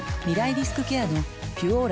リスクケアの「ピュオーラ」